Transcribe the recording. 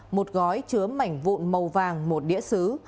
một gói chứa mảnh vụn màu vàng một đĩa xứ